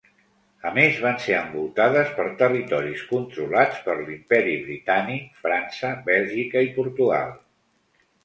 A més, van ser envoltades per territoris controlats per l'Imperi Britànic, França, Bèlgica i Portugal.